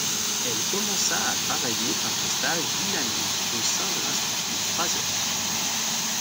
Elle commença à travailler par un stage d'une année au sein de l'Institut Fraser.